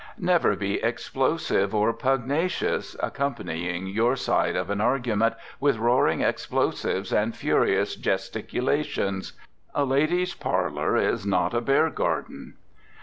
Never be explosive or pugnacious, accompanying your side of an argument with roaring explosives and furious gesticulations. A lady's parlor is not a bear garden.